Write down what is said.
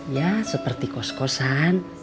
ya seperti kos kosan